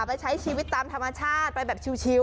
ไปใช้ชีวิตตามธรรมชาติไปแบบชิว